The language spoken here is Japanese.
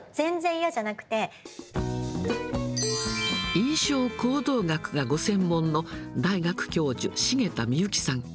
印象行動学がご専門の大学教授、重田みゆきさん。